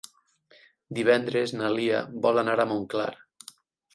Divendres na Lia vol anar a Montclar.